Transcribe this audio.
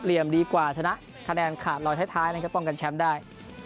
เหลี่ยมดีกว่าชนะคะแนนขาดรอยท้ายนะครับป้องกันแชมป์ได้